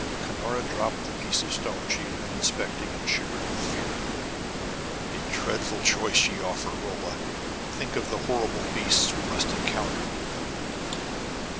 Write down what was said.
Cunora dropped the piece of stone she had been inspecting and shivered with fear. "A dreadful choice ye offer, Rolla! Think of the horrible beasts we must encounter!"